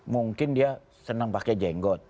mungkin dia senang pakai jenggot